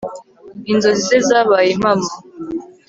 inzozi ze zabaye impamo